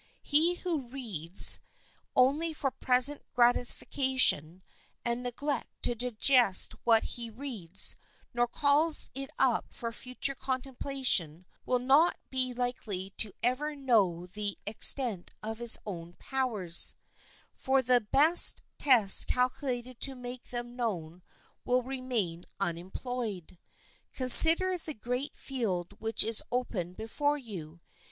He who reads only for present gratification, and neglects to digest what he reads, nor calls it up for future contemplation, will not be likely to ever know the extent of his own powers, for the best test calculated to make them known will remain unemployed. Consider the great field which is open before you.